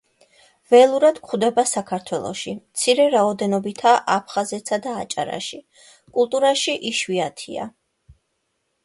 ველურად გვხვდება საქართველოში, მცირე რაოდენობითაა აფხაზეთსა და აჭარაში, კულტურაში იშვიათია.